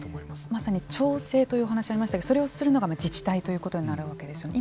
まさに調整というお話がありましたがそれをするのが自治体ということになるわけですね。